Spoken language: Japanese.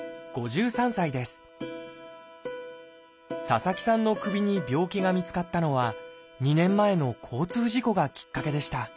佐々木さんの首に病気が見つかったのは２年前の交通事故がきっかけでした。